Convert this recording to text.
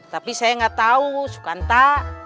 tapi saya nggak tahu sukanta